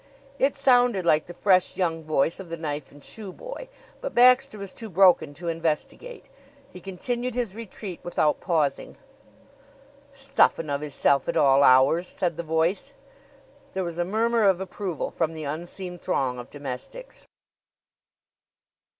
It sounded like the fresh young voice of the knife and shoe boy, but Baxter was too broken to investigate. He continued his retreat without pausing. "Stuffin' of 'isself at all hours!" said the voice. There was a murmur of approval from the unseen throng of domestics.